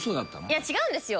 いや違うんですよ。